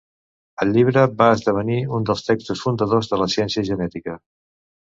El llibre va esdevenir un dels textos fundadors de la ciència genètica.